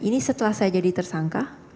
ini setelah saya jadi tersangka